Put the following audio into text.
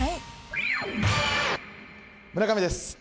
村上です。